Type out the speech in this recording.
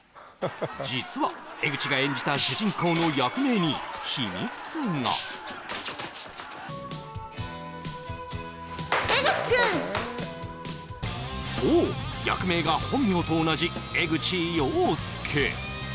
実は江口が演じた主人公の役名に秘密がそう役名が本名と同じ江口洋助